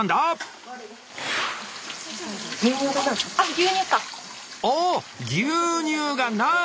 牛乳がない！